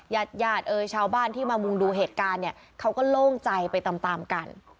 หยาดชาวบ้านที่มามุมดูเหตุการณ์เนี่ยเขาก็โล่งใจไปตามกัน